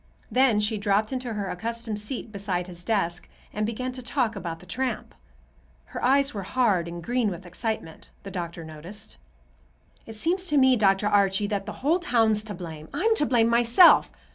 Then she dropped into her accustomed seat beside his desk and began to talk about the tramp. Her eyes were hard and green with excitement, the doctor noticed. "It seems to me, Dr. Archie, that the whole town's to blame. I'm to blame, myself.